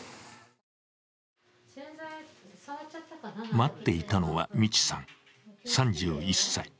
待っていたのは、ミチさん３１歳。